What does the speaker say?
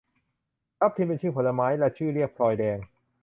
ทับทิม เป็นชื่อผลไม้ ละชื่อเรียกพลอยแดง